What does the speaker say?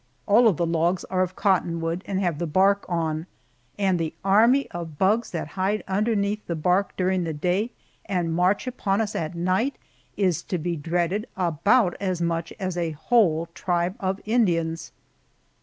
All of the logs are of cottonwood and have the bark on, and the army of bugs that hide underneath the bark during the day and march upon us at night is to be dreaded about as much as a whole tribe of Indians!